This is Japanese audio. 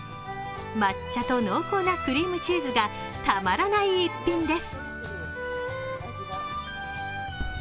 抹茶と濃厚なクリームチーズがたまらない逸品です。